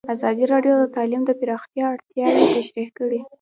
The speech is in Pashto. ازادي راډیو د تعلیم د پراختیا اړتیاوې تشریح کړي.